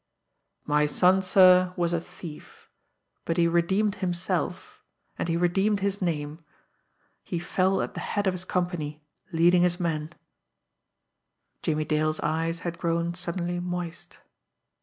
"My son, sir, was a thief; but he redeemed himself, and he redeemed his name he fell at the head of his company, leading his men." Jimmie Dale's eyes had grown suddenly moist.